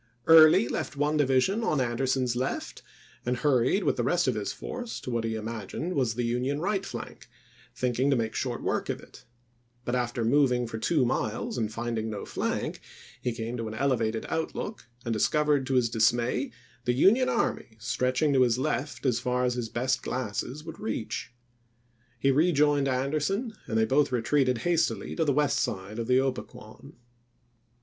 Early left one division on Anderson's left, and hurried with the rest of his force to what he im agined was the Union right flank, thinking to make short work of it ; but after moving for two miles and finding no flank, he came to an elevated outlook and discovered to his dismay the Union army stretching to his left as far as his best glasses would reach. He rejoined Anderson and they both retreated hastily to the west side of the Gpequon.